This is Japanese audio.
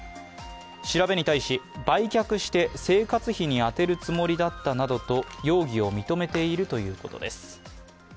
調べに対し、売却して生活費に充てるつもりだったなどと容疑を認めているということです。